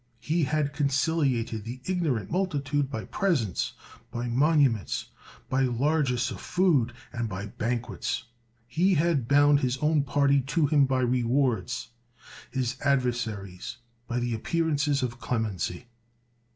He had conciliated the igno rant multitude by presents, by monuments, by largesses of food, and by banquets ; he had bound his own party to him by rewards, his adversaries by the appearances of clemency.